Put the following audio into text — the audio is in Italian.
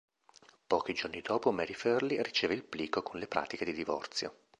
Pochi giorni dopo Mary Farley riceve il plico con le pratiche di divorzio.